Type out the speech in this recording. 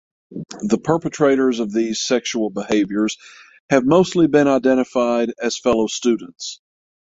The perpetrators of these sexual behaviors have mostly been identified as fellow students.